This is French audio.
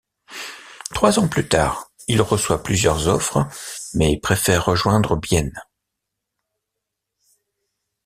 Trois ans plus tard, il reçoit plusieurs offres mais préfère rejoindre Bienne.